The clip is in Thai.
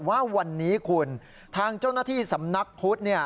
ว่าวันนี้คุณทางเจ้าหน้าที่สำนักพุทธเนี่ย